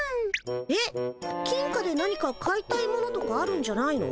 えっ金貨で何か買いたいものとかあるんじゃないの？